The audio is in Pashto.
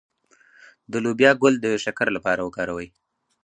د لوبیا ګل د شکر لپاره وکاروئ